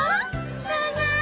長い！